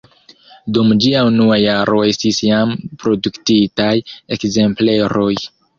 Dum ĝia unua jaro estis jam produktitaj ekzempleroj.